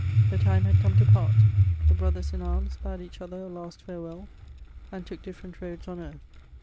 "The time had come to part. The brothers in arms bade each other a last farewell, and took different roads on earth.